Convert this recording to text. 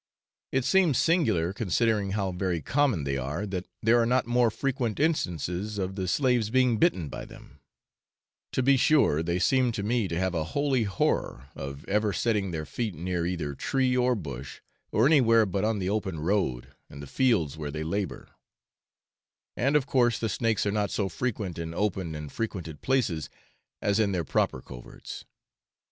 It seems singular, considering how very common they are, that there are not more frequent instances of the slaves being bitten by them; to be sure, they seem to me to have a holy horror of ever setting their feet near either tree or bush, or anywhere but on the open road, and the fields where they labour; and of course the snakes are not so frequent in open and frequented places, as in their proper coverts.